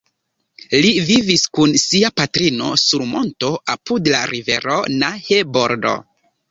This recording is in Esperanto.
Li vivis kun sia patrino sur monto apud la rivero Nahe-bordo.